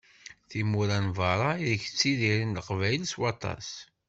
Timura n berra ideg ttidiren Leqbayel s waṭas.